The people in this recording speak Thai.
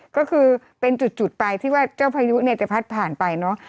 ก็คือเป็นจุดไปที่ว่าเจ้าพายุเนี่ยจะพัดผ่านไปเนอะ